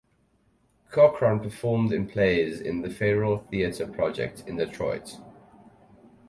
Cochran performed in plays in the Federal Theatre Project in Detroit.